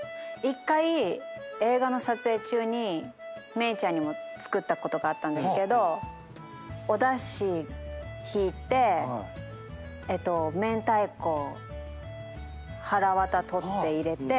１回映画の撮影中に芽郁ちゃんにも作ったことがあったんですけどおだしひいて明太子はらわた取って入れて。